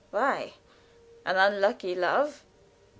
"Why? An unlucky love?"